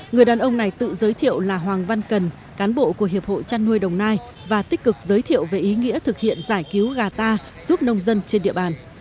người đàn ông này tự giới thiệu là hoàng văn cần cán bộ của hiệp hội chăn nuôi đồng nai và tích cực giới thiệu về ý nghĩa thực hiện giải cứu gà ta giúp nông dân trên địa bàn